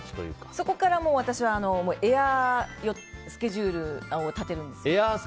そこから私はエアースケジュールを立てるんですよ。